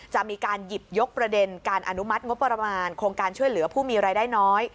จะมีการหยิบยกประเด็นการอนุมัติงบประมาณโครงการช่วยเหลือผู้มีรายได้น้อย